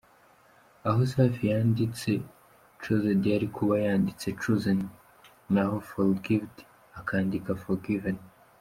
Aho Safi yanditse Chosed yari kuba yanditse chosen naho forgived akandika forgiven.